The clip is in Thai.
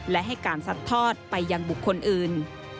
และให้การสัดทอดไปยังบุคคลอื่น